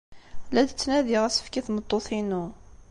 La d-ttnadiɣ asefk i tmeṭṭut-inu.